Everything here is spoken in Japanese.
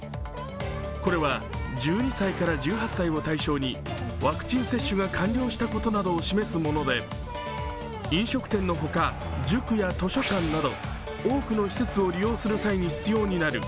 これは１２歳から１８歳を対象にワクチン接種が完了したことなどを示すもので飲食店の他、塾や図書館など多くの施設を利用する際に必要になる。